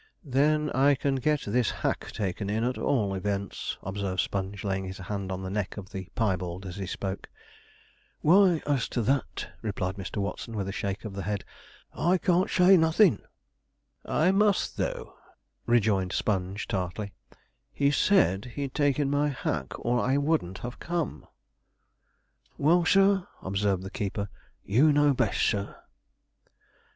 'Then I can get this hack taken in, at all events,' observed Sponge, laying his hand on the neck of the piebald as he spoke. 'Why, as to that,' replied Mr. Watson, with a shake of the head, 'I can't say nothin'.' 'I must, though,' rejoined Sponge, tartly; 'he said he'd take in my hack, or I wouldn't have come.' 'Well, sir,' observed the keeper, 'you know best, sir.'